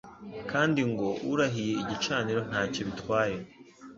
Kandi ngo : urahiye igicaniro ntacyo bitwaye.